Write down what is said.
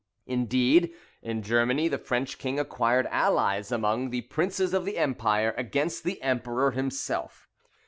Indeed, in Germany the French king acquired allies among the princes of the Empire against the emperor himself.